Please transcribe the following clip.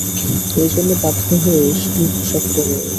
এজন্যই বাধ্য হয়ে এই পোশাক পরে ও।